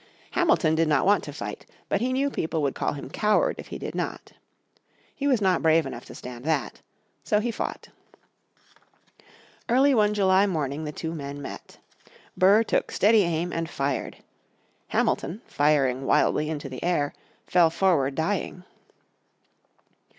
Hamilton did not want to fight, but he knew people would call him coward if he did not. He was not brave enough to stand that. So he fought. Early one July morning in 1804, the two men met. Burr took steady aim and fired, Hamilton, firing wildly into the air, fell forward dying.